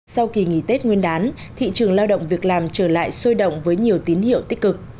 sau kỳ nghỉ tết nguyên đán thị trường lao động việc làm trở lại sôi động với nhiều tín hiệu tích cực